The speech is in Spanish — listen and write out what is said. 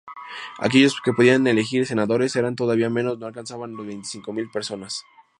Aquellos que podían elegir senadores eran todavía menos: no alcanzaban las veinticinco mil personas.